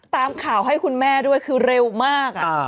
ตามข่าวให้คุณแม่ด้วยคือเร็วมาก